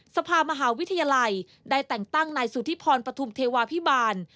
สภามหาวิทยาลัยได้แต่งตั้งนายสุธิพรปฐุมเทวาพิบาล